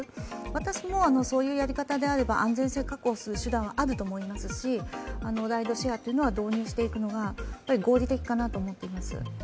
私もそういうやり方であれば安全性を確保する手段はあると思いますし、ライドシェアというのは導入していくのが合理的かなと思っています。